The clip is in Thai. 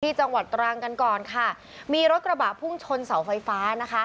จังหวัดตรังกันก่อนค่ะมีรถกระบะพุ่งชนเสาไฟฟ้านะคะ